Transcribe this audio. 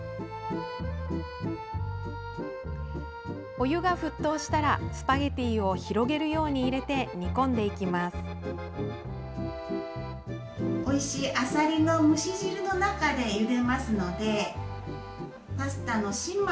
お湯が沸騰したらスパゲッティを広げるように入れて煮込んでいきます。